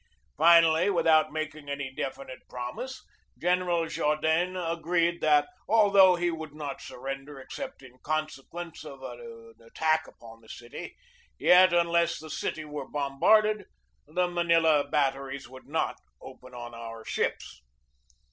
Finally, with out making any definite promise, General Jaudenes agreed that, although he would not surrender except in consequence of an attack upon the city, yet, unless the city were bombarded, the Manila batteries would not open on our ships.